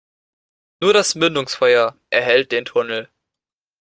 Nur das Mündungsfeuer erhellt den Tunnel.